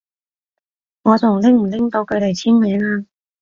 我仲拎唔拎到佢哋簽名啊？